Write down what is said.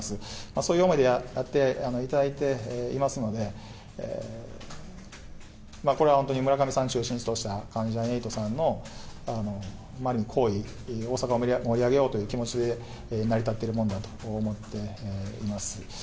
そういう思いでやっていただいていますので、これは本当に村上さんを中心とした関ジャニ∞さんの好意、大阪を盛り上げようという気持ちで成り立っているものだと思っています。